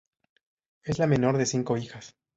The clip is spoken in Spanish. Es la menor de cinco hijas.